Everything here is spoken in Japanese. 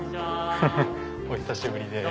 お久しぶりです。